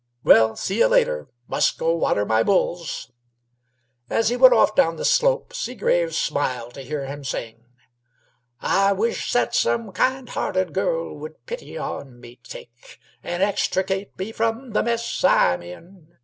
He rose. "Well, see y' later. Must go water my bulls." As he went off down the slope, Seagraves smiled to hear him sing: "I wish that some kind hearted girl Would pity on me take, And extricate me from the mess I'm in.